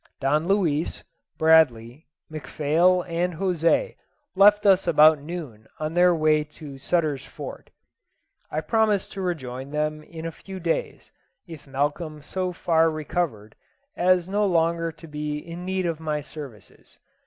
Don Luis, Bradley, McPhail and José left us about noon on their way to Sutter's Fort. I promised to rejoin them in a few days, if Malcolm so far recovered as no longer to be in need of my services.